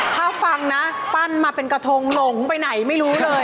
ถ้าฟังนะปั้นมาเป็นกระทงหลงไปไหนไม่รู้เลย